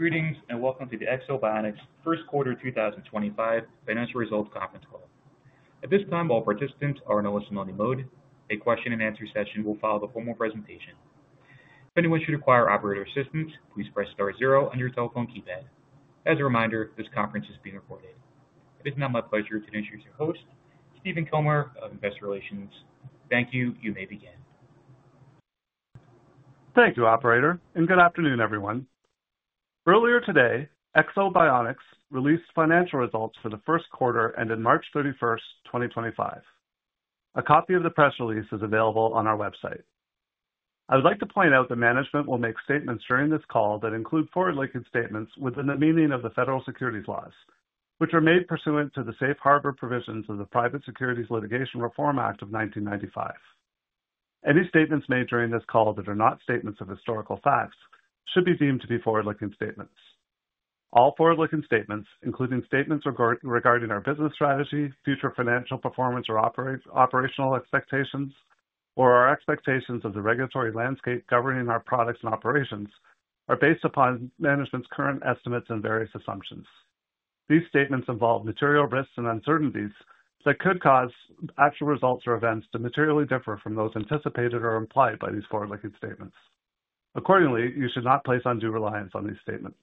Greetings and welcome to the Ekso Bionics First Quarter 2025 Financial Results Conference Call. At this time, all participants are in a listen-only mode. A question-and-answer session will follow the formal presentation. If anyone should require operator assistance, please press star zero on your telephone keypad. As a reminder, this conference is being recorded. It is now my pleasure to introduce your host, Stephen Kilmer of Investor Relations. Thank you. You may begin. Thank you, Operator, and good afternoon, everyone. Earlier today, Ekso Bionics released financial results for the first quarter ended March 31, 2025. A copy of the press release is available on our website. I would like to point out that management will make statements during this call that include forward-looking statements within the meaning of the federal securities laws, which are made pursuant to the safe harbor provisions of the Private Securities Litigation Reform Act of 1995. Any statements made during this call that are not statements of historical facts should be deemed to be forward-looking statements. All forward-looking statements, including statements regarding our business strategy, future financial performance or operational expectations, or our expectations of the regulatory landscape governing our products and operations, are based upon management's current estimates and various assumptions. These statements involve material risks and uncertainties that could cause actual results or events to materially differ from those anticipated or implied by these forward-looking statements. Accordingly, you should not place undue reliance on these statements.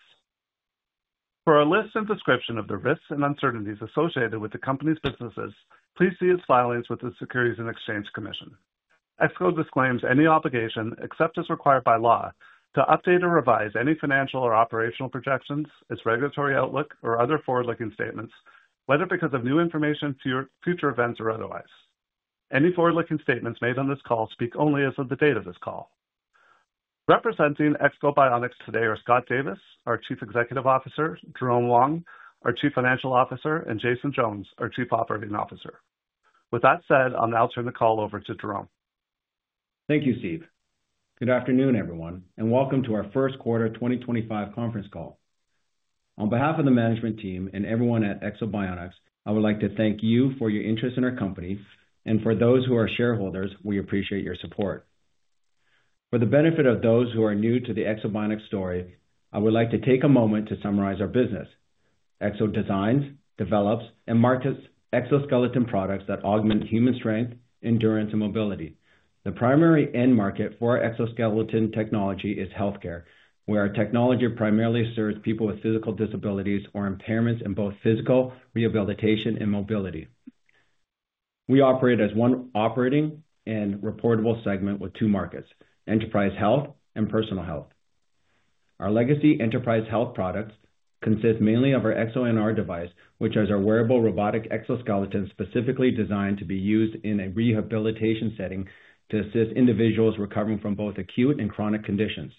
For a list and description of the risks and uncertainties associated with the company's businesses, please see its filings with the Securities and Exchange Commission. Ekso disclaims any obligation, except as required by law, to update or revise any financial or operational projections, its regulatory outlook, or other forward-looking statements, whether because of new information, future events, or otherwise. Any forward-looking statements made on this call speak only as of the date of this call. Representing Ekso Bionics today are Scott Davis, our Chief Executive Officer, Jerome Wong, our Chief Financial Officer, and Jason Jones, our Chief Operating Officer. With that said, I'll now turn the call over to Jerome. Thank you, Steve. Good afternoon, everyone, and welcome to our First Quarter 2025 Conference Call. On behalf of the management team and everyone at Ekso Bionics, I would like to thank you for your interest in our company, and for those who are shareholders, we appreciate your support. For the benefit of those who are new to the Ekso Bionics story, I would like to take a moment to summarize our business. Ekso designs, develops, and markets exoskeleton products that augment human strength, endurance, and mobility. The primary end market for exoskeleton technology is healthcare, where our technology primarily serves people with physical disabilities or impairments in both physical rehabilitation and mobility. We operate as one operating and reportable segment with two markets: enterprise health and personal health. Our legacy enterprise health products consist mainly of our EksoNR device, which is our wearable robotic exoskeleton specifically designed to be used in a rehabilitation setting to assist individuals recovering from both acute and chronic conditions,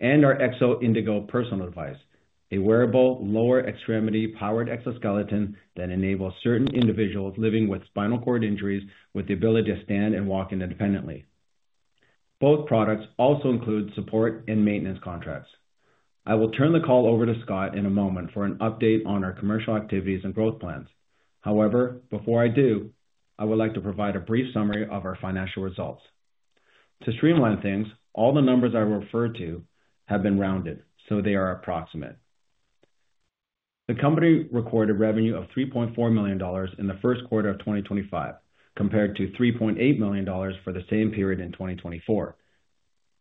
and our Ekso Indego Personal device, a wearable lower extremity powered exoskeleton that enables certain individuals living with spinal cord injuries the ability to stand and walk independently. Both products also include support and maintenance contracts. I will turn the call over to Scott in a moment for an update on our commercial activities and growth plans. However, before I do, I would like to provide a brief summary of our financial results. To streamline things, all the numbers I refer to have been rounded, so they are approximate. The company recorded revenue of $3.4 million in the first quarter of 2025, compared to $3.8 million for the same period in 2024.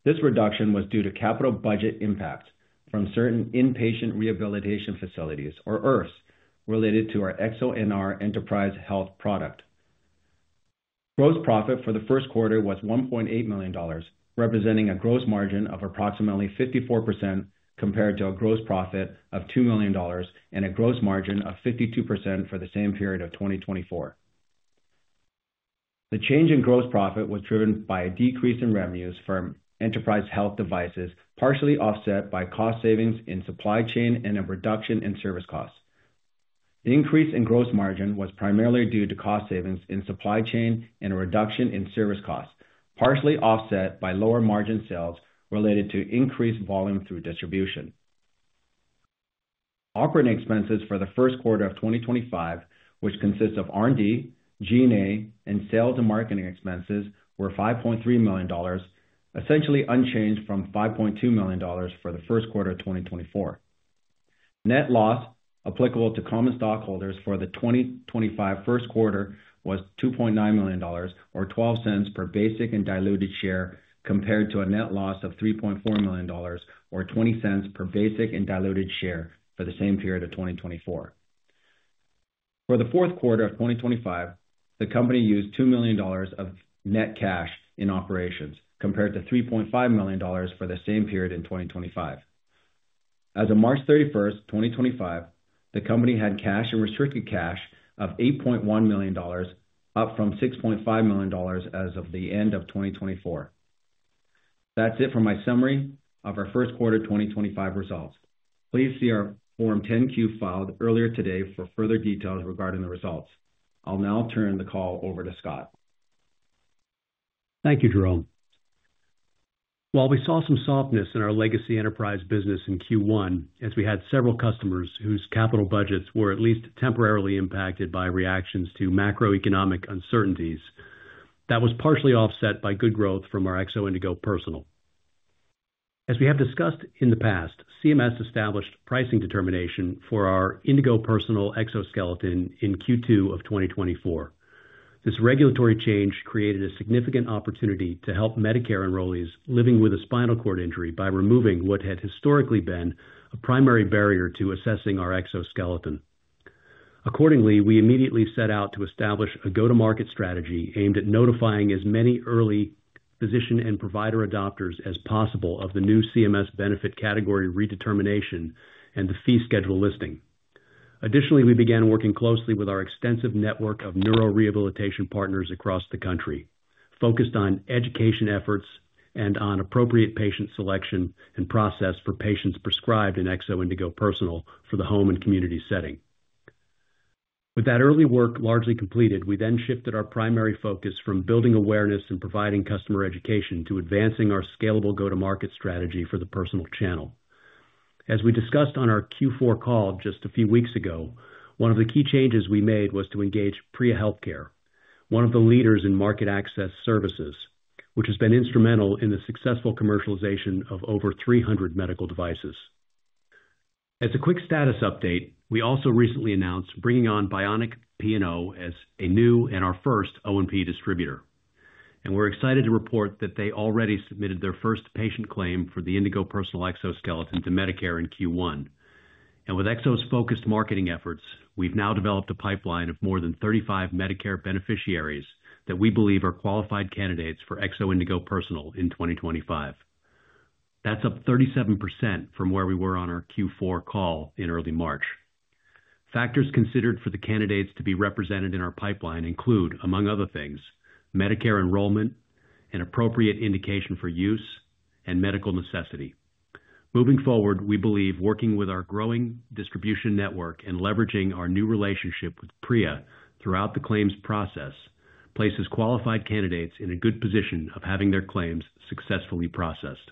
This reduction was due to capital budget impact from certain Inpatient Rehabilitation Facilities, or IRFs, related to our EksoNR enterprise health product. Gross profit for the first quarter was $1.8 million, representing a gross margin of approximately 54% compared to a gross profit of $2 million and a gross margin of 52% for the same period of 2024. The change in gross profit was driven by a decrease in revenues from enterprise health devices, partially offset by cost savings in supply chain and a reduction in service costs. The increase in gross margin was primarily due to cost savings in supply chain and a reduction in service costs, partially offset by lower margin sales related to increased volume through distribution. Operating expenses for the first quarter of 2025, which consists of R&D, G&A, and sales and marketing expenses, were $5.3 million, essentially unchanged from $5.2 million for the first quarter of 2024. Net loss applicable to common stockholders for the 2025 first quarter was $2.9 million, or $0.12 per basic and diluted share, compared to a net loss of $3.4 million, or $0.20 per basic and diluted share for the same period of 2024. For the fourth quarter of 2025, the company used $2 million of net cash in operations, compared to $3.5 million for the same period in 2025. As of March 31, 2025, the company had cash and restricted cash of $8.1 million, up from $6.5 million as of the end of 2024. That's it for my summary of our first quarter 2025 results. Please see our Form 10-Q filed earlier today for further details regarding the results. I'll now turn the call over to Scott. Thank you, Jerome. While we saw some softness in our legacy enterprise business in Q1, as we had several customers whose capital budgets were at least temporarily impacted by reactions to macroeconomic uncertainties, that was partially offset by good growth from our Ekso Indego Personal. As we have discussed in the past, CMS established pricing determination for our Indego Personal exoskeleton in Q2 of 2024. This regulatory change created a significant opportunity to help Medicare enrollees living with a spinal cord injury by removing what had historically been a primary barrier to accessing our exoskeleton. Accordingly, we immediately set out to establish a go-to-market strategy aimed at notifying as many early physician and provider adopters as possible of the new CMS benefit category redetermination and the fee schedule listing. Additionally, we began working closely with our extensive network of neurorehabilitation partners across the country, focused on education efforts and on appropriate patient selection and process for patients prescribed an Ekso Indego Personal for the home and community setting. With that early work largely completed, we then shifted our primary focus from building awareness and providing customer education to advancing our scalable go-to-market strategy for the personal channel. As we discussed on our Q4 call just a few weeks ago, one of the key changes we made was to engage PRIA Healthcare, one of the leaders in market access services, which has been instrumental in the successful commercialization of over 300 medical devices. As a quick status update, we also recently announced bringing on Bionic P&O as a new and our first O&P distributor. We're excited to report that they already submitted their first patient claim for the Indego Personal exoskeleton to Medicare in Q1. With Ekso's focused marketing efforts, we've now developed a pipeline of more than 35 Medicare beneficiaries that we believe are qualified candidates for Ekso Indego Personal in 2025. That's up 37% from where we were on our Q4 call in early March. Factors considered for the candidates to be represented in our pipeline include, among other things, Medicare enrollment, an appropriate indication for use, and medical necessity. Moving forward, we believe working with our growing distribution network and leveraging our new relationship with PRIA throughout the claims process places qualified candidates in a good position of having their claims successfully processed.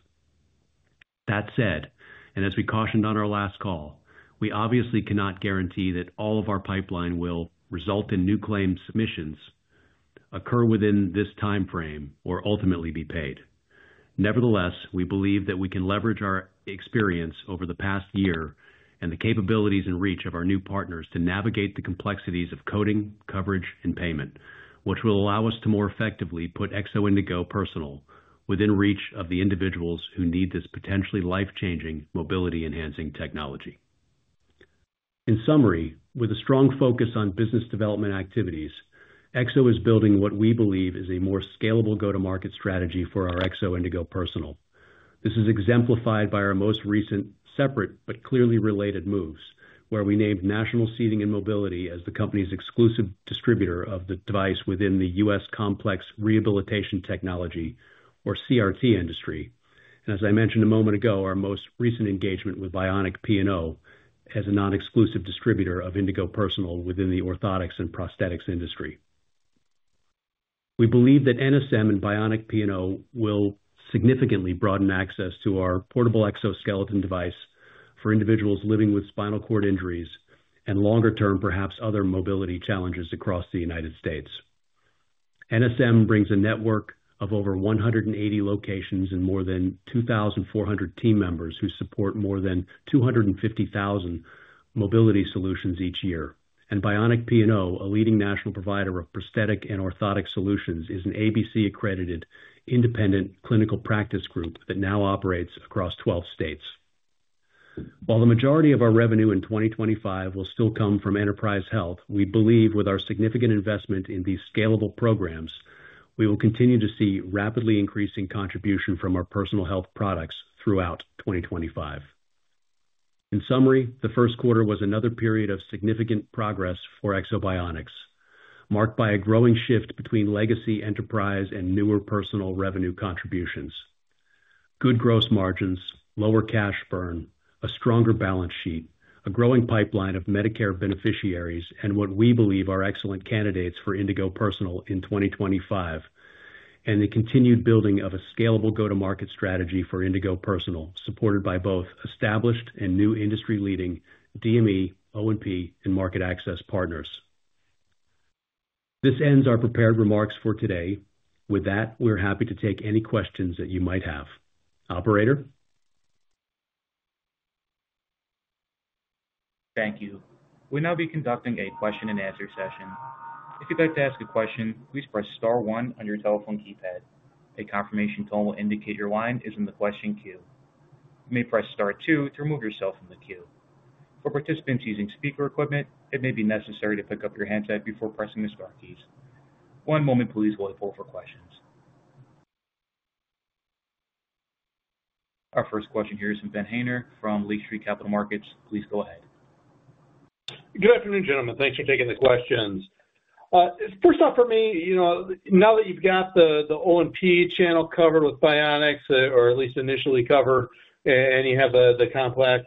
That said, and as we cautioned on our last call, we obviously cannot guarantee that all of our pipeline will result in new claims submissions occur within this timeframe or ultimately be paid. Nevertheless, we believe that we can leverage our experience over the past year and the capabilities and reach of our new partners to navigate the complexities of coding, coverage, and payment, which will allow us to more effectively put Ekso Indego Personal within reach of the individuals who need this potentially life-changing mobility-enhancing technology. In summary, with a strong focus on business development activities, Ekso is building what we believe is a more scalable go-to-market strategy for our Ekso Indego Personal. This is exemplified by our most recent separate but clearly related moves, where we named National Seating & Mobility as the company's exclusive distributor of the device within the U.S. Complex Rehabilitation Technology, or CRT, industry. As I mentioned a moment ago, our most recent engagement with Bionic P&O as a non-exclusive distributor of Ekso Indego Personal within the orthotics and prosthetics industry. We believe that NSM and Bionic P&O up will significantly broaden access to our portable exoskeleton device for individuals living with spinal cord injuries and, longer-term, perhaps other mobility challenges across the United States. NSM brings a network of over 180 locations and more than 2,400 team members who support more than 250,000 mobility solutions each year. Bionic P&O, a leading national provider of prosthetic and orthotic solutions, is an ABC-accredited independent clinical practice group that now operates across 12 states. While the majority of our revenue in 2025 will still come from enterprise health, we believe with our significant investment in these scalable programs, we will continue to see rapidly increasing contribution from our personal health products throughout 2025. In summary, the first quarter was another period of significant progress for Ekso Bionics, marked by a growing shift between legacy enterprise and newer personal revenue contributions. Good gross margins, lower cash burn, a stronger balance sheet, a growing pipeline of Medicare beneficiaries, and what we believe are excellent candidates for Indego Personal in 2025, and the continued building of a scalable go-to-market strategy for Indego Personal, supported by both established and new industry-leading DME, O&P, and market access partners. This ends our prepared remarks for today. With that, we're happy to take any questions that you might have. Operator? Thank you. We'll now be conducting a question-and-answer session. If you'd like to ask a question, please press Star 1 on your telephone keypad. A confirmation tone will indicate your line is in the question queue. You may press Star 2 to remove yourself from the queue. For participants using speaker equipment, it may be necessary to pick up your handset before pressing the star keys. One moment, please, while we pull for questions. Our first question here is from Ben Haynor from Lake Street Capital Markets. Please go ahead. Good afternoon, gentlemen. Thanks for taking the questions. First off, for me, now that you've got the O&P channel covered with Bionics, or at least initially covered, and you have the complex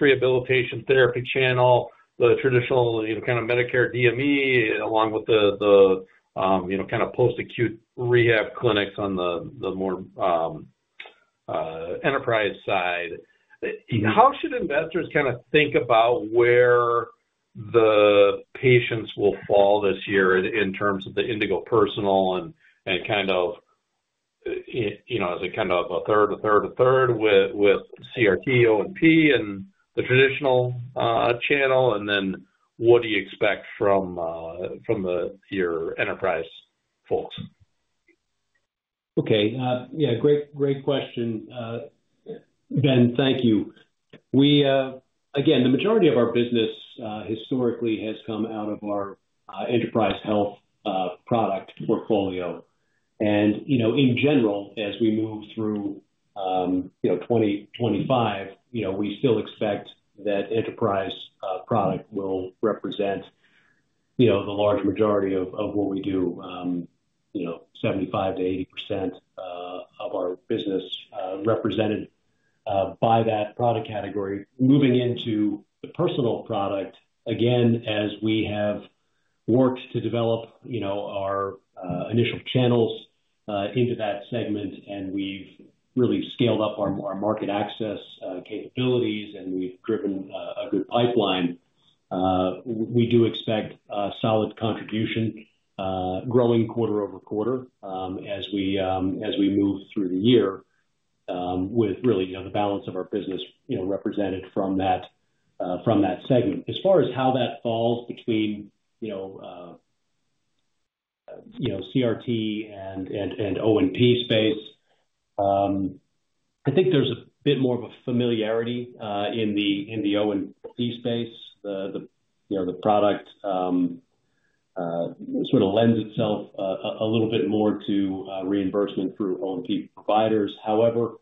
rehabilitation therapy channel, the traditional kind of Medicare DME, along with the kind of post-acute rehab clinics on the more enterprise side, how should investors kind of think about where the patients will fall this year in terms of the Indego Personal and kind of as a kind of a third, a third, a third with CRT, O&P, and the traditional channel? What do you expect from your enterprise folks? Okay. Yeah, great question, Ben. Thank you. Again, the majority of our business historically has come out of our enterprise health product portfolio. In general, as we move through 2025, we still expect that enterprise product will represent the large majority of what we do, 75%-80% of our business represented by that product category. Moving into the personal product, again, as we have worked to develop our initial channels into that segment, and we've really scaled up our market access capabilities, and we've driven a good pipeline, we do expect a solid contribution, growing quarter over quarter as we move through the year with really the balance of our business represented from that segment. As far as how that falls between CRT and O&P space, I think there's a bit more of a familiarity in the O&P space. The product sort of lends itself a little bit more to reimbursement through O&P providers. However,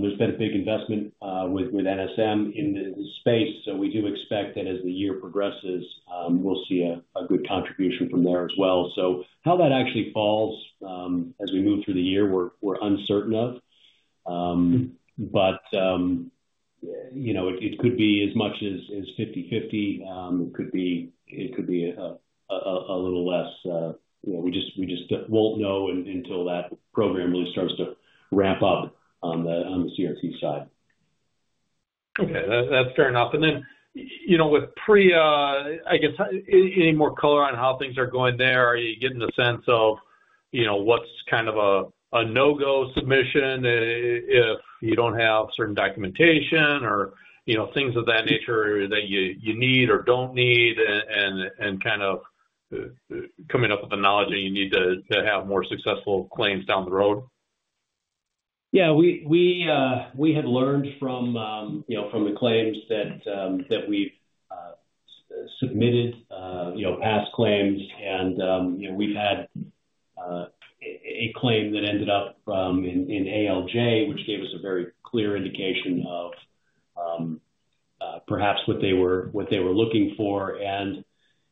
there's been a big investment with NSM in the space, so we do expect that as the year progresses, we'll see a good contribution from there as well. How that actually falls as we move through the year, we're uncertain of. It could be as much as 50/50. It could be a little less. We just won't know until that program really starts to ramp up on the CRT side. Okay. That's fair enough. With PRIA, I guess, any more color on how things are going there? Are you getting a sense of what's kind of a no-go submission if you don't have certain documentation or things of that nature that you need or don't need and kind of coming up with the knowledge that you need to have more successful claims down the road? Yeah. We had learned from the claims that we've submitted, past claims. We've had a claim that ended up in ALJ, which gave us a very clear indication of perhaps what they were looking for.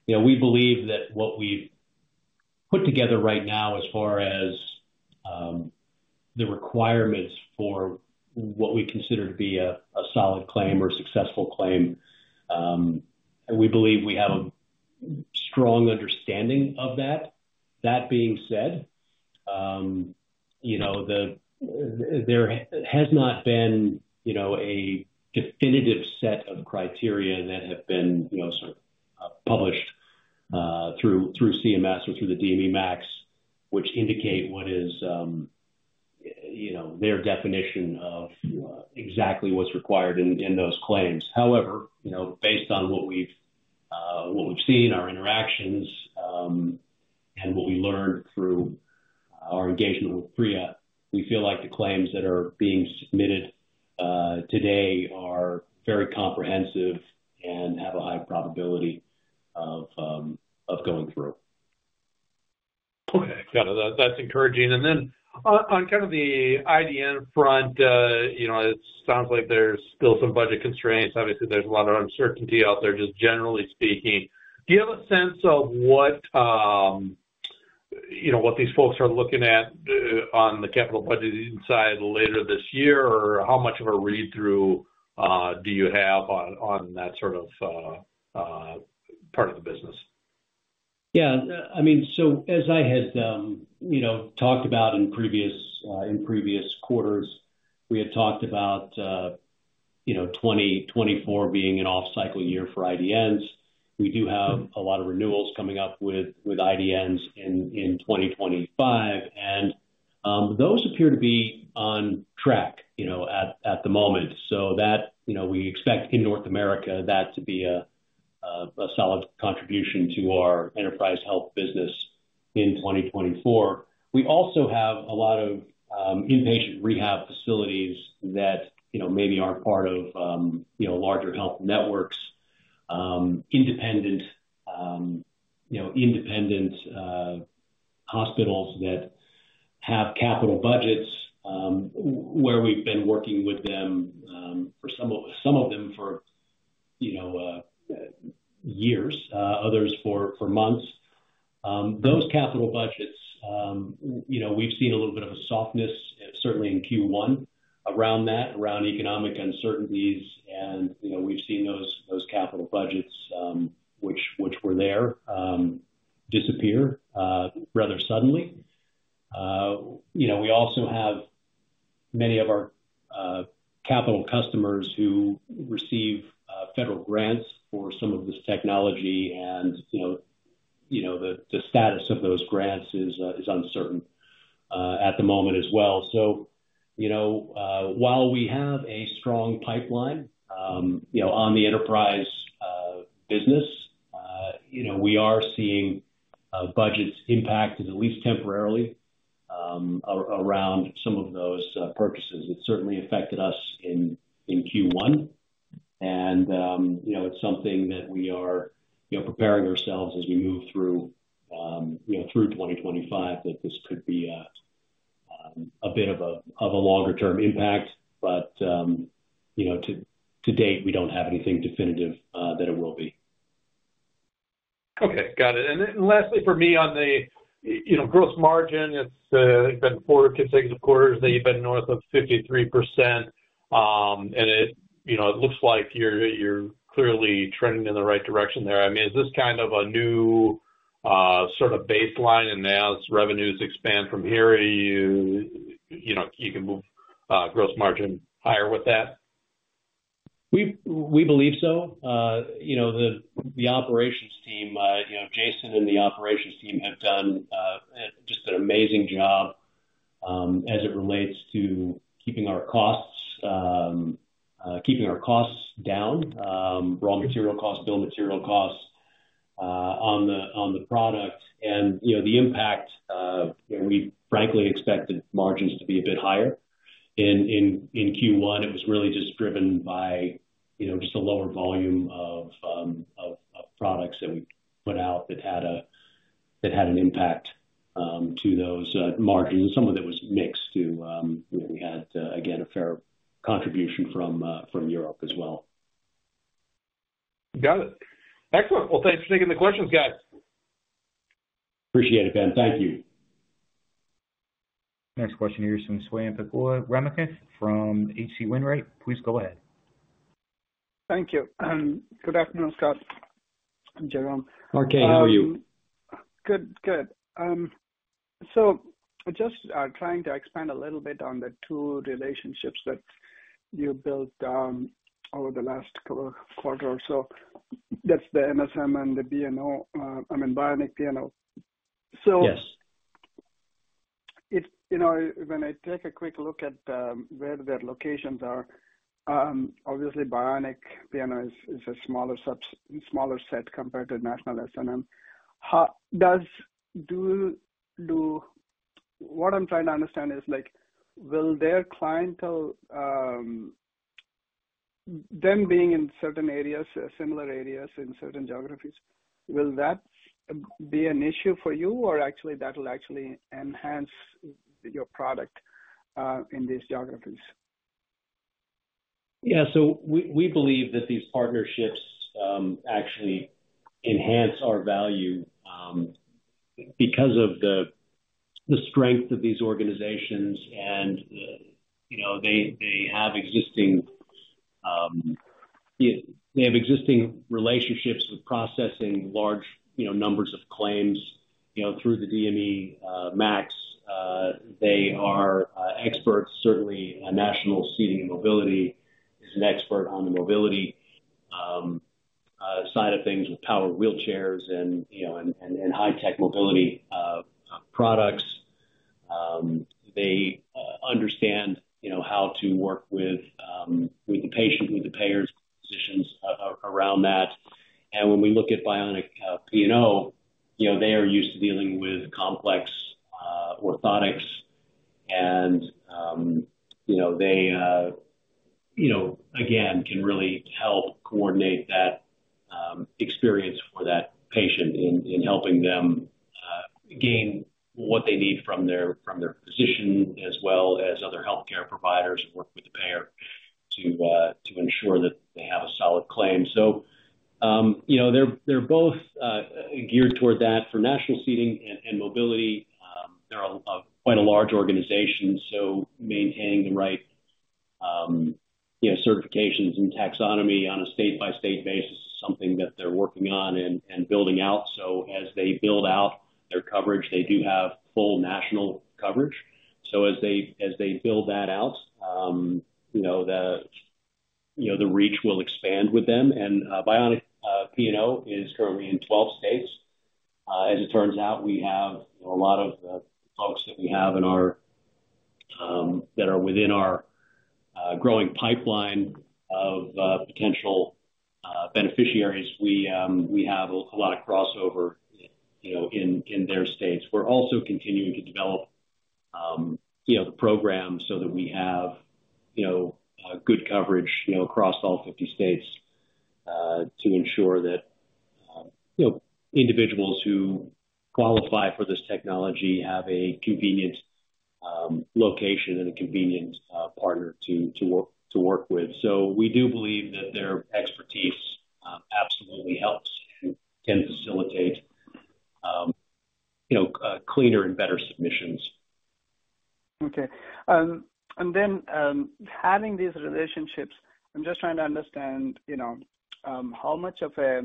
We believe that what we've put together right now as far as the requirements for what we consider to be a solid claim or successful claim, we believe we have a strong understanding of that. That being said, there has not been a definitive set of criteria that have been sort of published through CMS or through the DME Max, which indicate what is their definition of exactly what's required in those claims. However, based on what we've seen, our interactions, and what we learned through our engagement with PRIA, we feel like the claims that are being submitted today are very comprehensive and have a high probability of going through. Okay. Got it. That's encouraging. On kind of the IDN front, it sounds like there's still some budget constraints. Obviously, there's a lot of uncertainty out there, just generally speaking. Do you have a sense of what these folks are looking at on the capital budgeting side later this year, or how much of a read-through do you have on that sort of part of the business? Yeah. I mean, as I had talked about in previous quarters, we had talked about 2024 being an off-cycle year for IDNs. We do have a lot of renewals coming up with IDNs in 2025. Those appear to be on track at the moment. We expect in North America that to be a solid contribution to our enterprise health business in 2024. We also have a lot of inpatient rehab facilities that maybe are not part of larger health networks, independent hospitals that have capital budgets where we have been working with them, some of them for years, others for months. Those capital budgets, we have seen a little bit of a softness, certainly in Q1, around that, around economic uncertainties. We have seen those capital budgets, which were there, disappear rather suddenly. We also have many of our capital customers who receive federal grants for some of this technology. The status of those grants is uncertain at the moment as well. While we have a strong pipeline on the enterprise business, we are seeing budgets impacted at least temporarily around some of those purchases. It certainly affected us in Q1. It is something that we are preparing ourselves as we move through 2025 that this could be a bit of a longer-term impact. To date, we do not have anything definitive that it will be. Okay. Got it. Lastly, for me, on the gross margin, it's been four consecutive quarters. They've been north of 53%. It looks like you're clearly trending in the right direction there. I mean, is this kind of a new sort of baseline and now as revenues expand from here, you can move gross margin higher with that? We believe so. Jason and the operations team have done just an amazing job as it relates to keeping our costs down, raw material costs, bill of material costs on the product. The impact, we frankly expected margins to be a bit higher in Q1. It was really just driven by a lower volume of products that we put out that had an impact to those margins. Some of it was mixed too. We had, again, a fair contribution from Europe as well. Got it. Excellent. Thanks for taking the questions, guys. Appreciate it, Ben. Thank you. Next question here is from Swayampakula Ramakanth from H.C. Wainwright. Please go ahead. Thank you. Good afternoon, Scott and Jerome. RK, how are you? Good. Good. I just was trying to expand a little bit on the two relationships that you built over the last quarter or so. That's the NSM and the P&O, I mean, Bionic P&O. Yes. When I take a quick look at where their locations are, obviously, Bionic P&O is a smaller set compared to national NSM. What I'm trying to understand is, will their clientele, them being in certain areas, similar areas in certain geographies, will that be an issue for you or actually that will actually enhance your product in these geographies? Yeah. We believe that these partnerships actually enhance our value because of the strength of these organizations. They have existing relationships with processing large numbers of claims through the DME Max. They are experts, certainly National Seating &Mobility is an expert on the mobility side of things with powered wheelchairs and high-tech mobility products. They understand how to work with the patient, with the payers, with the physicians around that. When we look at Bionic P&O, they are used to dealing with complex orthotics. They, again, can really help coordinate that experience for that patient in helping them gain what they need from their physician as well as other healthcare providers and work with the payer to ensure that they have a solid claim. They are both geared toward that. For National Seating & Mobility, they are quite a large organization. Maintaining the right certifications and taxonomy on a state-by-state basis is something that they're working on and building out. As they build out their coverage, they do have full national coverage. As they build that out, the reach will expand with them. Bionic P&O is currently in 12 states. As it turns out, we have a lot of the folks that we have that are within our growing pipeline of potential beneficiaries. We have a lot of crossover in their states. We're also continuing to develop the program so that we have good coverage across all 50 states to ensure that individuals who qualify for this technology have a convenient location and a convenient partner to work with. We do believe that their expertise absolutely helps and can facilitate cleaner and better submissions. Okay. Having these relationships, I'm just trying to understand how much of a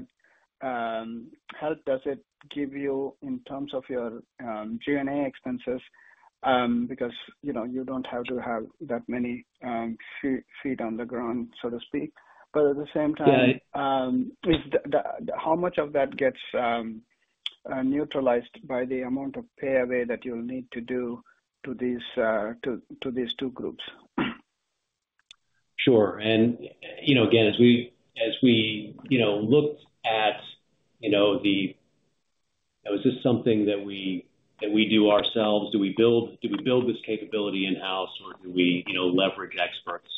help does it give you in terms of your G&A expenses? Because you don't have to have that many feet on the ground, so to speak. At the same time, how much of that gets neutralized by the amount of pay-away that you'll need to do to these two groups? Sure. As we looked at the, now, is this something that we do ourselves? Do we build this capability in-house, or do we leverage experts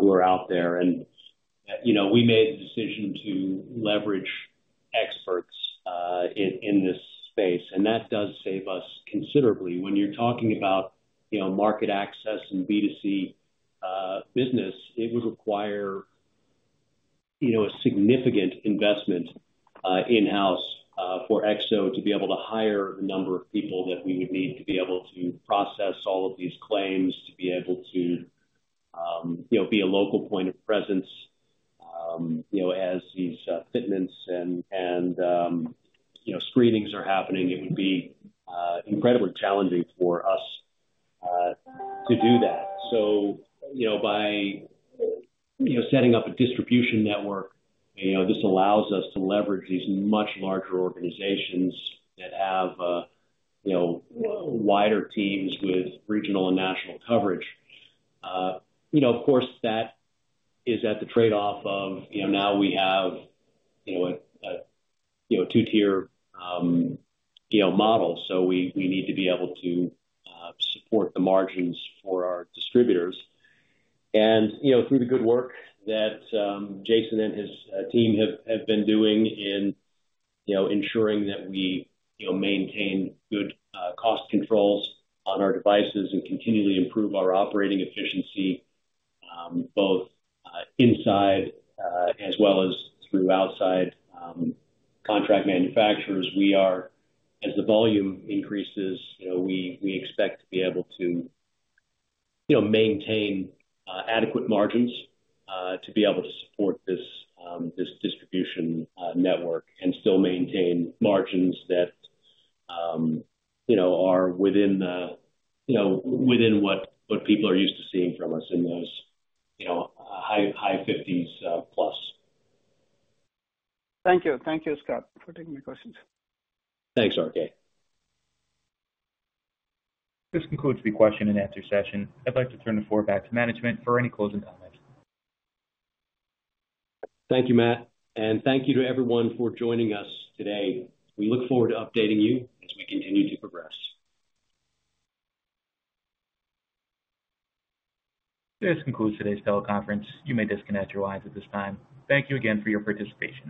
who are out there? We made the decision to leverage experts in this space. That does save us considerably. When you're talking about market access and B2C business, it would require a significant investment in-house for Ekso to be able to hire the number of people that we would need to be able to process all of these claims, to be able to be a local point of presence as these fitments and screenings are happening. It would be incredibly challenging for us to do that. By setting up a distribution network, this allows us to leverage these much larger organizations that have wider teams with regional and national coverage. Of course, that is at the trade-off of now we have a two-tier model. We need to be able to support the margins for our distributors. Through the good work that Jason and his team have been doing in ensuring that we maintain good cost controls on our devices and continually improve our operating efficiency, both inside as well as through outside contract manufacturers, we are, as the volume increases, expecting to be able to maintain adequate margins to be able to support this distribution network and still maintain margins that are within what people are used to seeing from us in those high 50s plus. Thank you. Thank you, Scott, for taking my questions. Thanks, RK. This concludes the question-and-answer session. I'd like to turn the floor back to management for any closing comments. Thank you, Matt. Thank you to everyone for joining us today. We look forward to updating you as we continue to progress. This concludes today's teleconference. You may disconnect your lines at this time. Thank you again for your participation.